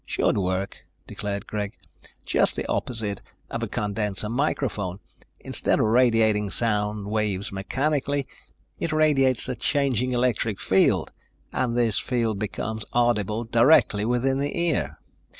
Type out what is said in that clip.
"Should work," declared Greg. "Just the opposite of a condenser microphone. Instead of radiating sound waves mechanically, it radiates a changing electric field and this field becomes audible directly within the ear.